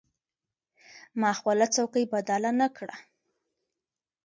ما خپله څوکۍ بدله نه کړه.